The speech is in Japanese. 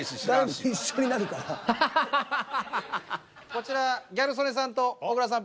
こちらギャル曽根さんと小倉さん